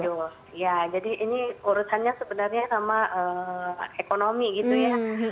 aduh ya jadi ini urusannya sebenarnya sama ekonomi gitu ya